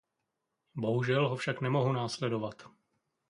Bohužel ho však nemohu následovat.